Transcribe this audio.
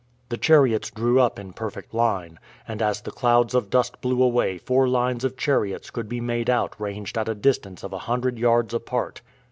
The chariots drew up in perfect line, and as the clouds of dust blew away four lines of chariots could be made out ranged at a distance of a hundred yards apart.